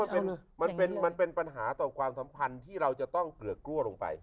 มันเป็นปัญหาต่อความสัมพันธ์ที่เราจะต้องเปลือกกลัวลงไป